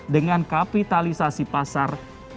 dengan kapitalisasi pasar